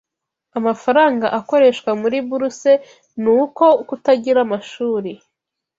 Amafaranga akoreshwa muri buruse ni uko kutagira amashuri